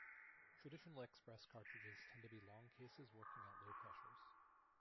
Traditional express cartridges tend to be long cases, working at low pressures.